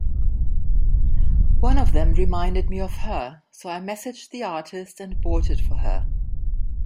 One of them reminded me of her, so I messaged the artist and bought it for her.